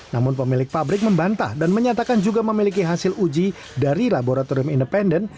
namun pemilik pabrik membantah dan menyatakan juga memiliki hasil uji dari laboratorium independen